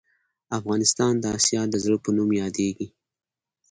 افغانستان د اسیا د زړه په نوم یادیږې